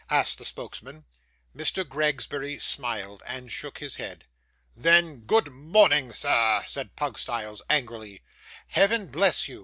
asked the spokesman. Mr. Gregsbury smiled, and shook his head. 'Then, good morning, sir,' said Pugstyles, angrily. 'Heaven bless you!